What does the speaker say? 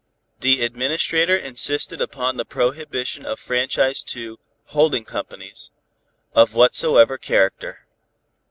The Administrator insisted upon the prohibition of franchise to "holding companies" of whatsoever character.